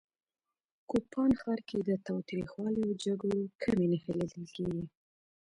کوپان ښار کې د تاوتریخوالي او جګړو کمې نښې لیدل کېږي